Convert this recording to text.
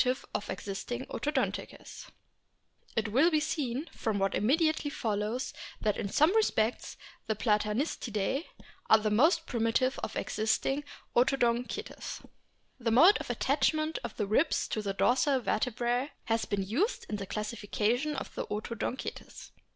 1 76 A BOOK OF WHALES It will be seen from what immediately follows that in some respects the Platanistidae are the most primitive of existing Odontocetes. The mode of attachment of the ribs to the dorsal vertebrae has been used in the classification of the Odontocetes.